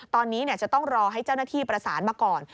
ตอนนี้จะต้องรอให้เจ้าหน้าที่ประสานมาก่อน